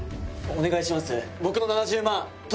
お願いします！